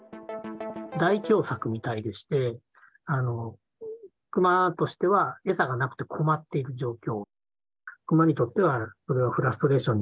大凶作みたいでしてクマとしては餌がなくて困っている状況。